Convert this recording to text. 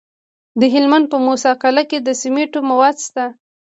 د هلمند په موسی قلعه کې د سمنټو مواد شته.